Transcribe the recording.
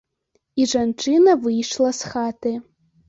І жанчына выйшла з хаты.